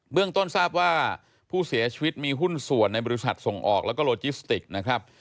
เรื่องต้นทราบว่าผู้เสียชีวิตมีหุ้นส่วนในบริษัทส่งออกแล้วก็โลจิสติกนะครับ